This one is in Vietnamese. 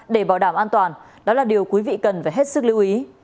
để bảo đảm an toàn đó là điều quý vị cần phải hết sức lưu ý